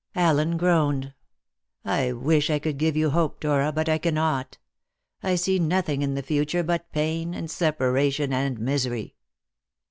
Allen groaned. "I wish I could give you hope, Dora, but I cannot. I see nothing in the future but pain, and separation, and misery."